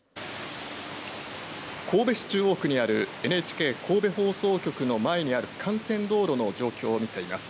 神戸市中央区にあるＮＨＫ神戸放送局の前にある幹線道路の状況を見ています。